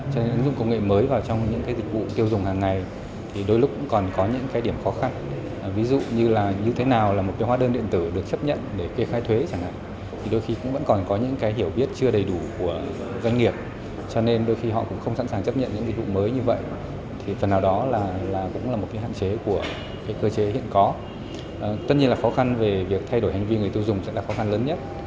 tất nhiên là khó khăn về việc thay đổi hành vi người tiêu dùng sẽ là khó khăn lớn nhất